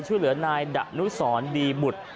ช่วยเหลือนายดะนุสรดีบุตร